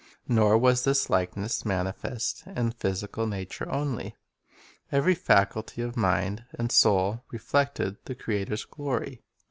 Nor was this likeness manifest in the physical nature only. Every faculty of mind and soul reflected the Creator's glory.